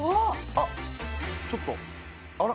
あっちょっとあら。